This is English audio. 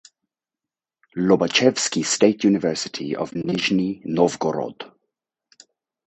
Lobachevsky State University of Nizhny Novgorod.